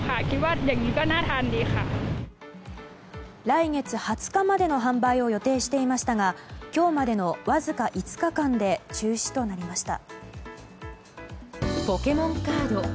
来月２０日までの販売を予定していましたが今日までのわずか５日間で中止となりました。